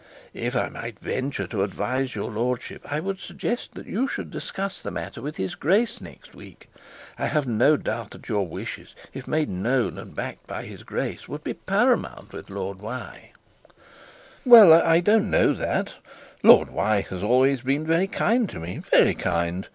If I might venture to advise your lordship, I would suggest that you should discuss the matter with his grace next week. I have no doubt that your wishes, if made known and backed by his grace, would be paramount with Lord ' 'Well, I don't know that; Lord has always been very kind to me, very kind.